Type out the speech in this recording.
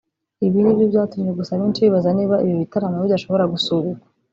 ibi ni byo byatumye gusa benshi bibaza niba ibi bitaramo bidashobora gusubikwa